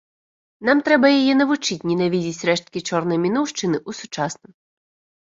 Нам трэба яе навучыць ненавідзець рэшткі чорнай мінуўшчыны ў сучасным.